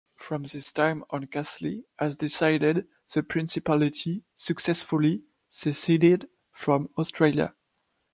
From this time on Casley has decided the Principality successfully seceded from Australia.